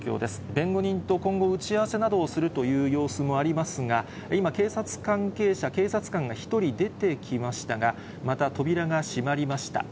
弁護人と今後、打ち合わせなどをするという様子もありますが、今、警察関係者、警察官が１人出てきましたが、また扉が閉まりました。